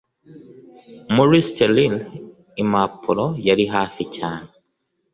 muri sterile, impapuro. yari hafi cyane